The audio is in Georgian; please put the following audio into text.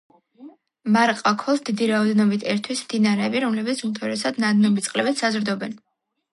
მარყაქოლს დიდი რაოდენობით ერთვის მდინარეები, რომლებიც უმთავრესად ნადნობი წყლებით საზრდოობენ.